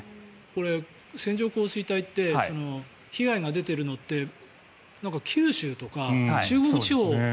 これ、線状降水帯って被害が出ているのって九州とか中国地方。